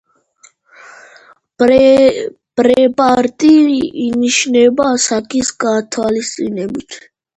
პრეპარატი ინიშნება ასაკის გათვალისწინებით.